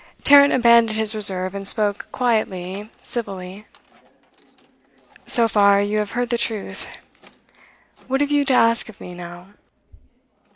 Tarrant abandoned his reserve, and spoke quietly, civilly. 'So far, you have heard the truth. What have you to ask of me, now?